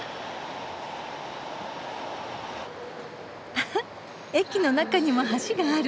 あはっ駅の中にも橋がある。